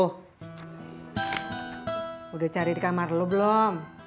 kamu udah tidur di kamar lu belum